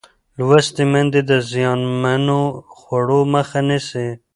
لوستې میندې د زیانمنو خوړو مخه نیسي.